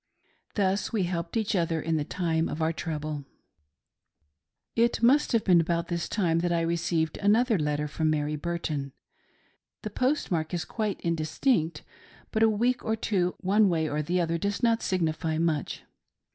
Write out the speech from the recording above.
Thus we helped each other in the time of our trouble. It must have been about this time that I received another letter from Mary Burton. The postmark is quite indistinct, but a week or two one way or the other does not signify much.